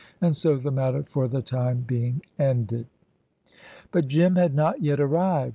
And so the matter, for the time being, ended. But Jim had not yet arrived.